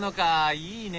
いいね。